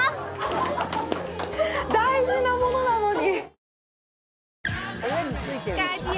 大事なものなのに。